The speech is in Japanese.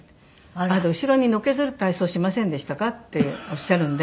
「あなた後ろにのけ反る体操しませんでしたか？」っておっしゃるので。